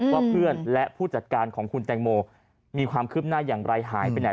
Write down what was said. ว่าเพื่อนและผู้จัดการของคุณแตงโมมีความคืบหน้าอย่างไรหายไปไหน